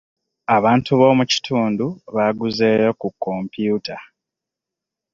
Abantu b'omu kitundu baaguzeyo ku kompyuta.